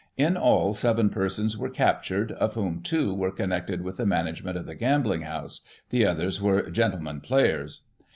In all, seven persons were captured, of whom, two were connected with the management of the gambling house ; the others were gentlemen players.